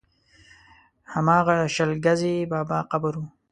هماغه د شل ګزي بابا قبر و.